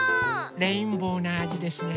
レインボーなあじですね。